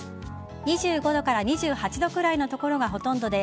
２５度から２８度くらいの所がほとんどで